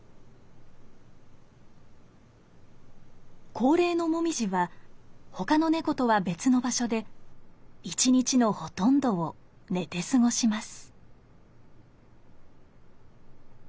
高齢のもみじはほかの猫とは別の場所で一日のほとんどを寝て過ごします。